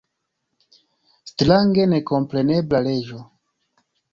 Strange nekomprenebla leĝo!